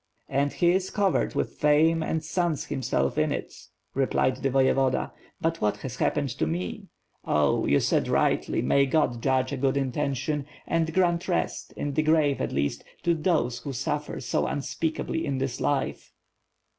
'' "And he is covered with fame and suns himself in it," re plied the Voyevoda. "But what has happened to me? Oh, you said rightly, may God judge a good intention, and grant rest, in the grave at least, to those who suffer so unspeakably in this life."